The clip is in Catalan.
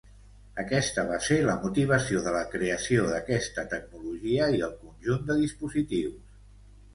Aquesta va ser la motivació de la creació d’aquesta tecnologia i el conjunt de dispositius.